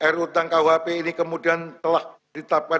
ruu tentang kuhp ini kemudian telah ditapkan